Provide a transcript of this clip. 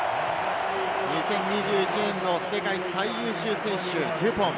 ２０２１年の世界最優秀選手、デュポン。